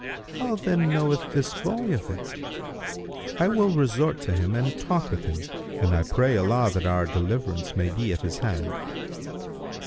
How then knoweth this boy of it? I will resort to him and talk with him and I pray Allah that our deliverance may be at his hand."